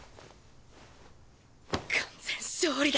完全勝利だ。